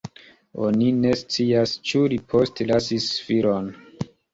Oni ne scias ĉu li postlasis filon.